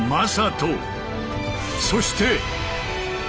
そして。